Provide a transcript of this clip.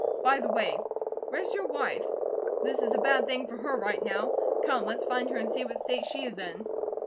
By the way, where's your wife? This is a bad thing for her right now. Come, let's find her and see what state she is in."